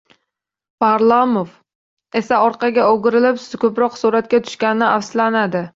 Varlamov esa orqaga o'girilib, ko'proq suratga tushganidan afsuslanadi